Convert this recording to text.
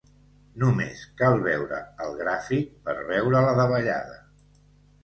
Només cal veure el gràfic per veure la davallada.